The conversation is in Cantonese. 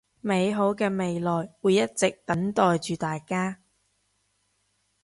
美好嘅未來會一直等待住大家